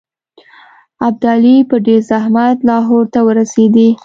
ابدالي په ډېر زحمت لاهور ته ورسېدی.